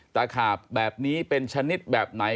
ขาบแบบนี้เป็นชนิดแบบไหน